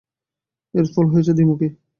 এর ফল হয়েছে দ্বিমূখী।